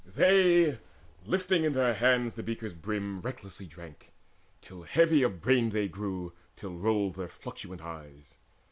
They, lifting in their hands the beakers brimmed, Recklessly drank, till heavy of brain they grew, Till rolled their fluctuant eyes.